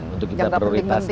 untuk kita prioritaskan